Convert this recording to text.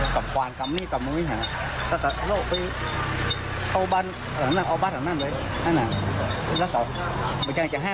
ถือมีดเข้าไปในบ้านที่มีร้อนอย่างนี้